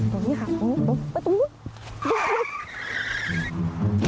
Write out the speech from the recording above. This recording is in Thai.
ตรงนี้ค่ะตรงนู้นไปตรงนู้น